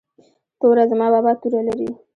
ت توره زما بابا توره لري